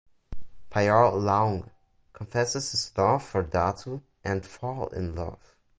Pyar Laung confesses his love for Datu and fall in love.